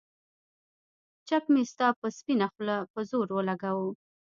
چک مې ستا پۀ سپينه خله پۀ زور اولګوو